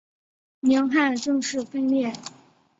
宁汉正式分裂。